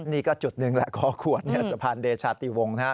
นี่ก็จุดหนึ่งแหละคอขวดสะพานเดชาติวงนะคะ